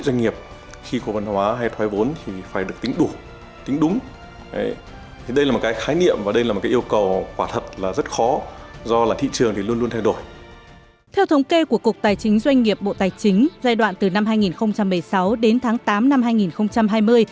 theo thống kê của cục tài chính doanh nghiệp bộ tài chính giai đoạn từ năm hai nghìn một mươi sáu đến tháng tám năm hai nghìn hai mươi